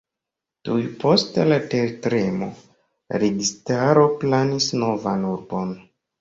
Tuj post la tertremo la registaro planis novan urbon.